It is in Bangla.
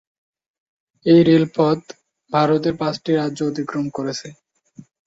এই রেলপথ ভারত এর পাঁচটি রাজ্য অতিক্রম করেছে।